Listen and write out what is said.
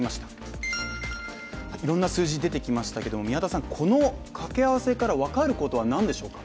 いろんな数字出てきましたけどこのかけ合わせから分かることは何でしょうか？